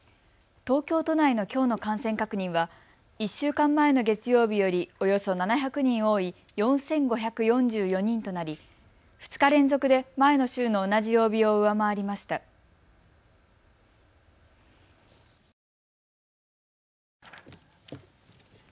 東京都内のきょうの感染確認は１週間前の月曜日よりおよそ７００人多い４５４４人となり２日連続で前の週の同じ曜日を上回りました。